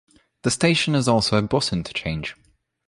The station is also a bus interchange.